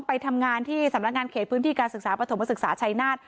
ไปทำงานที่สำนักงานเขตพื้นที่การศึกษาปฐมศึกษาชัยนาธิ